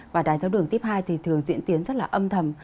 và đai tháo đường tiếp hai thì thường diễn tiến rất là âm thầm